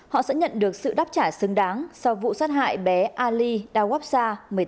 họ sẽ nhận được sự đáp trả xứng đáng sau vụ sát hại bé ali dawasa một mươi tám